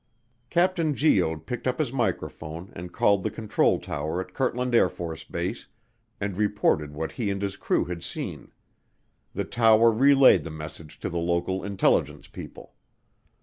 Captain Goede picked up his microphone and called the control tower at Kirtland AFB and reported what he and his crew had seen. The tower relayed the message to the local intelligence people.